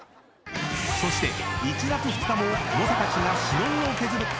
［そして１月２日も猛者たちがしのぎを削る］